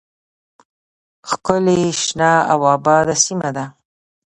ښکلې شنه او آباده سیمه ده